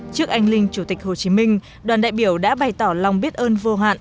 trước anh linh chủ tịch hồ chí minh đoàn đại biểu đã bày tỏ lòng biết ơn vô hạn